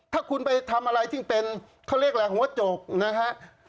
ถ้าคุณไปทำอะไรที่เป็นเขาเรียกอะไรหัวจกนะฮะ